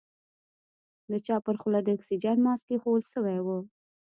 د چا پر خوله د اکسيجن ماسک ايښوول سوى و.